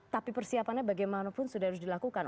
tapi persiapannya bagaimanapun sudah harus dilakukan